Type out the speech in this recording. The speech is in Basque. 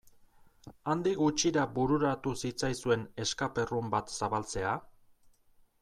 Handik gutxira bururatu zitzaizuen escape room bat zabaltzea?